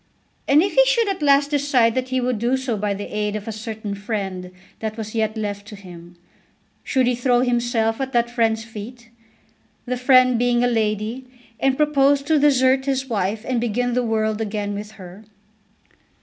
And if he should at last decide that he would do so by the aid of a certain friend that was yet left to him, should he throw himself at that friend's feet, the friend being a lady, and propose to desert his wife and begin the world again with her?